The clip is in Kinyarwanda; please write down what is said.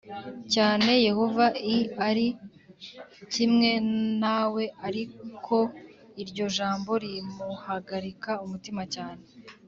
cyane Yehova i ari kumwe nawe Ariko iryo jambo rimuhagarika umutima cyane